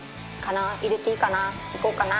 入れていいかな。